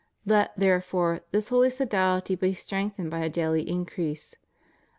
Let, therefore, this holy sodality be strengthened by a daily increase.